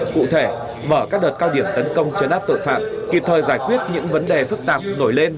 cụ thể mở các đợt cao điểm tấn công chấn áp tội phạm kịp thời giải quyết những vấn đề phức tạp nổi lên